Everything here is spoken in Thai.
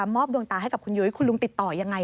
ดวงตาให้กับคุณยุ้ยคุณลุงติดต่อยังไง